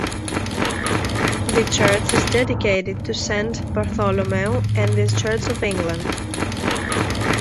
The Church is dedicated to Saint Bartholomew and is Church of England.